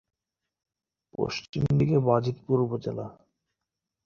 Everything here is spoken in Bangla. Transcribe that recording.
পশ্চিম দিকে বাজিতপুর উপজেলা।